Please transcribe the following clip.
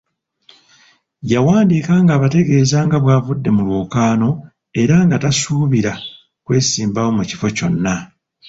Yawandiika ng'abategeeza nga bw'avudde mu lwokaano era tasuubira kwesimbawo ku kifo kyonna.